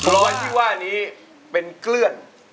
รอยที่ว่านี้เป็นเกลือน